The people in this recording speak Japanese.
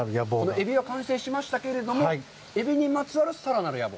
エビは完成しましたけど、エビにまつわるさらなる野望？